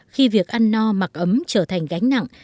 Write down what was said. khi việc ăn no mặc ấm trở thành gánh nặng